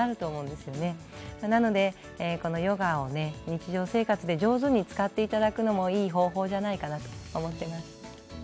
ですのでヨガを日常生活で上手に使っていただくのもいい方法じゃないかと思っています。